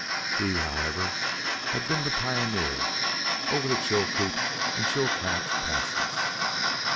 He, however, had been the pioneer over the Chilcoot and Chilcat passes.